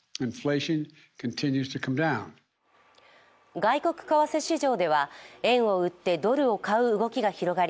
外国為替市場では、円を売ってドルを買う動きが広がり